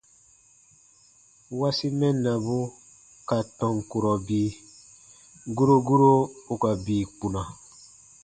- wasi mɛnnabu ka tɔn kurɔ bii : guro guro ù ka bii kpuna.